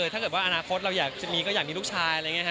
ถ้าเกิดว่าอนาคตเราอยากจะมีก็อยากมีลูกชายอะไรอย่างนี้